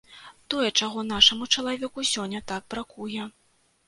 Тое, чаго нашаму чалавеку сёння так бракуе.